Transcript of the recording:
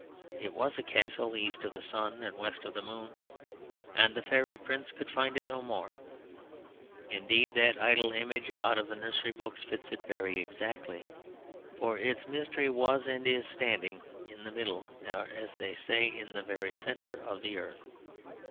It was a castle east of the sun and west of the moon, and the fairy prince could find it no more. Indeed that idle image out of the nursery books fits it very exactly. For its mystery was and is in standing in the middle, or as they said in the very centre of the earth.